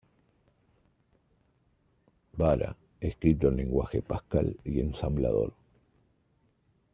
Vara, escrito en lenguaje Pascal y ensamblador.